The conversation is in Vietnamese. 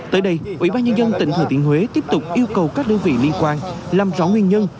tới đây ủy ban nhân dân tỉnh thừa tiên huế tiếp tục yêu cầu các đơn vị liên quan làm rõ nguyên nhân